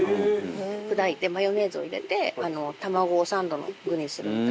砕いてマヨネーズを入れて卵サンドの具にするみたいな。